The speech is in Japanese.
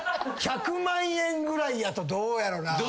１００万円ぐらいやとどうやろなあ。